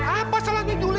apa salahnya juli